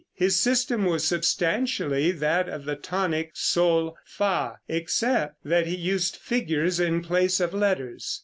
His system was substantially that of the tonic sol fa, except that he used figures in place of letters.